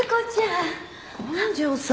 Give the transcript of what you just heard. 本庄さん！